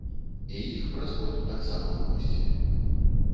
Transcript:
І іх праз год таксама выпусцілі.